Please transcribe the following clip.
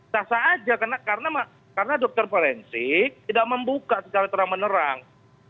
terserah saja karena dokter forensik tidak membuka secara terang menerang